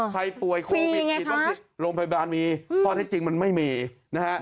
ใครป่วยโควิดผิดโรงพยาบาลมีข้อเท็จจริงมันไม่มีนะฮะ